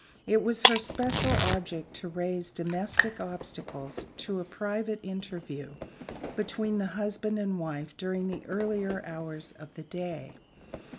It was her special object to raise domestic obstacles to a private interview between the husband and wife during the earlier hours of the day.